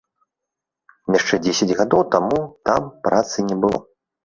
Яшчэ дзесяць гадоў таму там працы не было!